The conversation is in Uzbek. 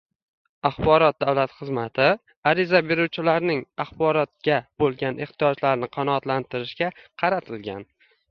Axborot davlat xizmati ariza beruvchilarning axborotga bo‘lgan ehtiyojlarini qanoatlantirishga qaratilgan